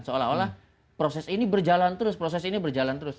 seolah olah proses ini berjalan terus proses ini berjalan terus